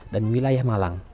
dan wilayah malang